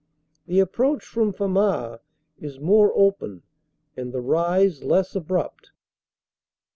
The approach from Famars is more open and the rise less abrupt.